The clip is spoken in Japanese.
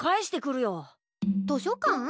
図書館？